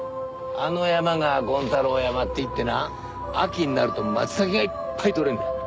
あの山が権太郎山っていってな秋になるとマツタケがいっぱい採れるんだ。